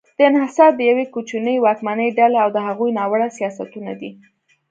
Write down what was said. دا انحصار د یوې کوچنۍ واکمنې ډلې او د هغوی ناوړه سیاستونه دي.